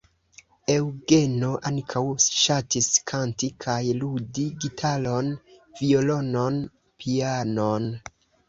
Eŭgeno ankaŭ ŝatis kanti kaj ludi gitaron, violonon, pianon.